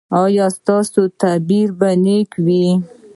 ایا ستاسو تعبیر به نیک وي؟